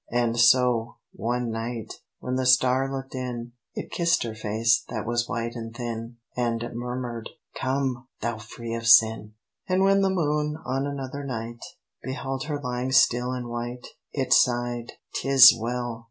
And so, one night, when the star looked in, It kissed her face that was white and thin, And murmured, "Come! thou free of sin!" And when the moon, on another night, Beheld her lying still and white, It sighed, "'Tis well!